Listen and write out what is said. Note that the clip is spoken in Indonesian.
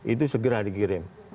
itu segera dikirim